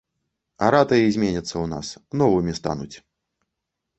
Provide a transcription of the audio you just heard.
Аратаі зменяцца ў нас, новымі стануць.